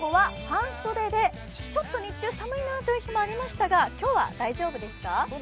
ちょっと日中寒いなという日もありましたが、今日は大丈夫ですか？